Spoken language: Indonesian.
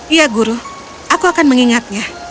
iya guru aku akan mengingatnya